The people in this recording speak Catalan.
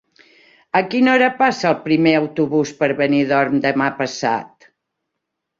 A quina hora passa el primer autobús per Benidorm demà passat?